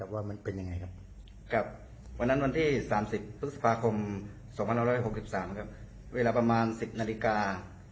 วันนั้นวันที่๓๐พฤษภาคม๒๖๖๓เวลาประมาณ๑๐นาฬิกา